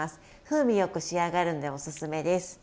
風味よく仕上がるのでおすすめです。